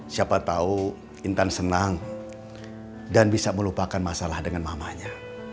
siapa tahu intan senang dan bisa melupakan masalah dengan mamanya